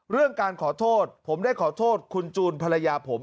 เรื่องการขอโทษผมได้ขอโทษคุณจูนภรรยาผม